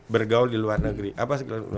bergaul di luar negeri apa